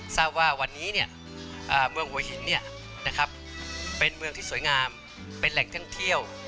ทราบว่าวันนี้เมืองหัวหินเป็นเมืองที่สวยงามเป็นแหล่งท่องเที่ยว